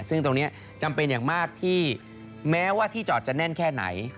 ซึ่งตรงนี้จำเป็นอย่างมากที่แม้ว่าที่จอดจะแน่นแค่ไหน